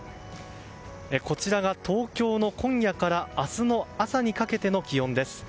こちらが東京の、今夜から明日の朝にかけての気温です。